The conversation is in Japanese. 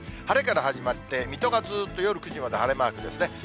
晴れから始まって、水戸がずっと夜９時まで晴れマークですね。